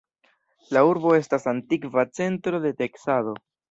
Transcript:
La urbo estas antikva centro de teksado.